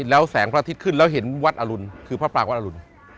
แล้วแสงพระอาทิตย์ขึ้นแล้วเห็นวัดอรุณคือพระปรางวัดอรุณ